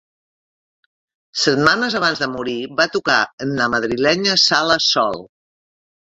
Setmanes abans de morir va tocar en la madrilenya sala Sol.